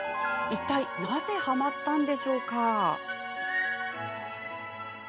いったいなぜはまったのでしょうか？